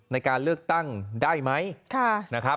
ในการเลือกตั้งได้ไหมนะครับ